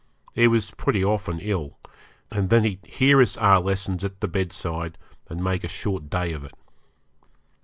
He was pretty often ill, and then he'd hear us our lessons at the bedside, and make a short day of it.